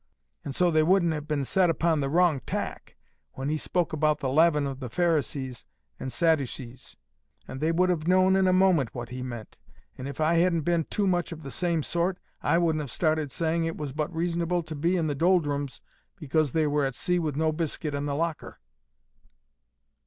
And so they wouldn't have been set upon the wrong tack when He spoke about the leaven of the Pharisees and Sadducees; and they would have known in a moment what He meant. And if I hadn't been too much of the same sort, I wouldn't have started saying it was but reasonable to be in the doldrums because they were at sea with no biscuit in the locker."